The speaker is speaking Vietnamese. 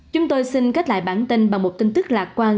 chúng tôi xin kết lại bản tin bằng một tin tức lạc quan